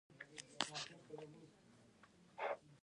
د پیشنهاد شویو بستونو تشخیص کول.